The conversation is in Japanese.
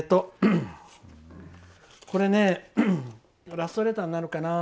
これねラストレターになるかな。